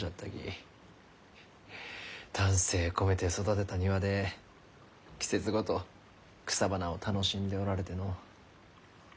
丹精込めて育てた庭で季節ごと草花を楽しんでおられてのう。